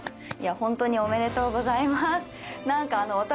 ホントにおめでとうございます